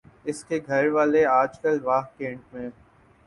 اس کے گھر والے آجکل واہ کینٹ میں